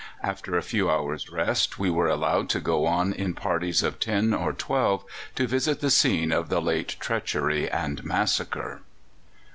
After a few hours' rest we were allowed to go out in parties of ten or twelve to visit the scene of the late treachery and massacre."